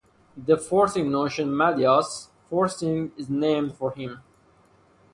The forcing notion Mathias forcing is named for him.